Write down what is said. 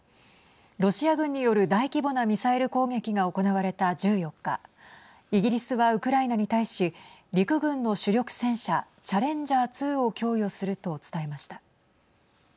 ロシア軍による大規模なミサイル攻撃が行われた１４日イギリスはウクライナに対し陸軍の主力戦車チャレンジャー２を供与すると伝えました。